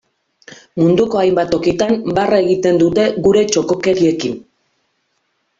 Munduko hainbat tokitan, barre egiten dute gure txokokeriekin.